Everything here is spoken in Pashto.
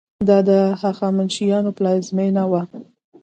دا د هخامنشیانو پلازمینه وه.